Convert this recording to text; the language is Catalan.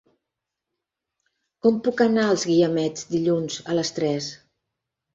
Com puc anar als Guiamets dilluns a les tres?